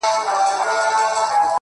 • ما ستا په شربتي سونډو خمار مات کړی دی.